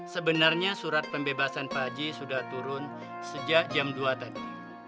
sebenarnya surat pembebasan paji sudah turun sejak jam dua tadi